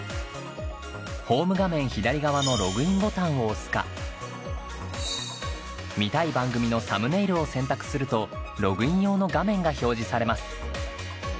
ホーム画面左側の「ログイン」ボタンを押すか見たい番組のサムネイルを選択するとログイン用の画面が表示されます。